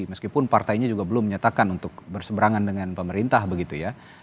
meskipun partainya juga belum menyatakan untuk berseberangan dengan pemerintah begitu ya